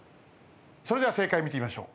それでは正解見てみましょう。